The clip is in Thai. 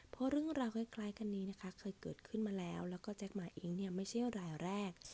เพราะเรื่องราวคล้ายกันนี้นะคะเคยเกิดขึ้นมาแล้วแล้วก็แจ๊คมาเองเนี่ยไม่ใช่รายแรก